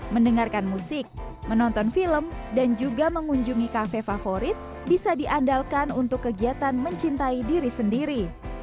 mendengarkan musik menonton film dan juga mengunjungi kafe favorit bisa diandalkan untuk kegiatan mencintai diri sendiri